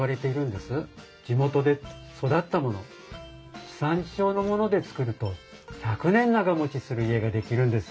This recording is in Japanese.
地元で育ったもの地産地消のもので造ると１００年長もちする家が出来るんです。